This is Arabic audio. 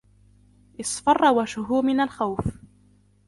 اصفرَّ وجهه من الخوف.